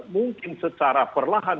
mungkin secara perlahan